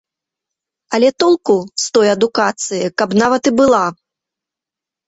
Але толку з той адукацыі, калі б нават і была!